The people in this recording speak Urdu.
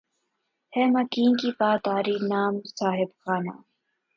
ہے مکیں کی پا داری نام صاحب خانہ